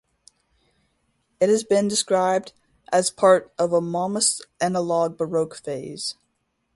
It has been described as part of Momus's "analog-baroque" phase.